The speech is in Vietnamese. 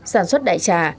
sản xuất đại trả